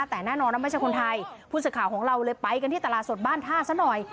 แต่แน่นอนว่าไม่ใช่คนไทยผู้สื่อข่าวของเราเลยไปกันที่ตลาดสดบ้านท่าซะหน่อย